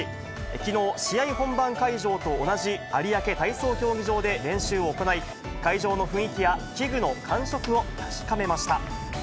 きのう、試合本番会場と同じ有明体操競技場で練習を行い、会場の雰囲気や器具の感触を確かめました。